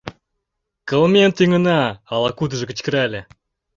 — Кылмен тӱҥына! — ала-кудыжо кычкырале.